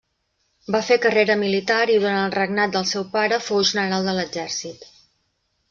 Va fer carrera militar i durant el regnat del seu pare fou general de l'exèrcit.